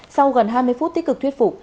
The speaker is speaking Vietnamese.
sau gần hai mươi phút tích cực thuyết phục